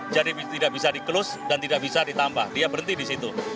jadi tidak bisa di close dan tidak bisa ditambah dia berhenti di situ